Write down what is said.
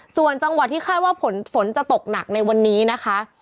ส่วนจังหวัดที่คาดว่าฝนจะตกหนักในวันนี้นะคะ